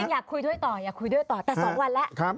อยากคุยด้วยต่ออยากคุยด้วยต่อแต่๒วันแล้ว